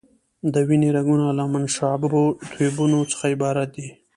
د وینې رګونه له منشعبو ټیوبونو څخه عبارت دي.